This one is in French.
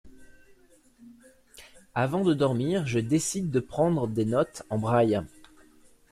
Avant de dormir je décide de prendre des notes en braille.